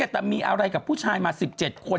แต่มีอะไรกับผู้ชายมา๑๗คน